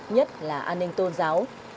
nhất là an ninh tôn giáo